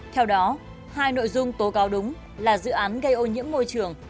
theo đó hai nội dung tố cáo đúng là dự án gây ô nhiễm môi trường